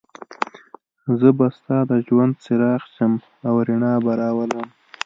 زه به ستا د ژوند څراغ شم او رڼا به راولم.